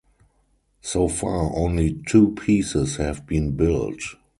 So far only two pieces have been built.